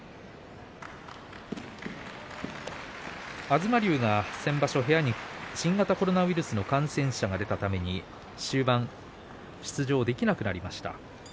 東龍が先場所部屋に新型コロナウイルスの感染者が出たために終盤に出場できなくなりました。